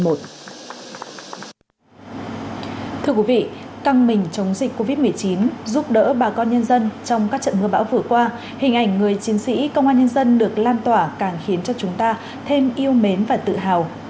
thưa quý vị căng mình chống dịch covid một mươi chín giúp đỡ bà con nhân dân trong các trận mưa bão vừa qua hình ảnh người chiến sĩ công an nhân dân được lan tỏa càng khiến cho chúng ta thêm yêu mến và tự hào